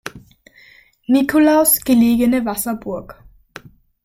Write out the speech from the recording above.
Nikolaus gelegene Wasserburg.